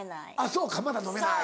そうかまだ飲めない。